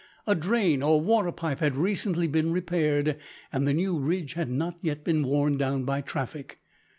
A drain or water pipe had recently been repaired, and the new ridge had not yet been worn down by traffic.